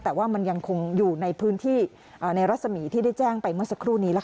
แต่ว่ามันยังคงอยู่ในพื้นที่ในรัศมีที่ได้แจ้งไปเมื่อสักครู่นี้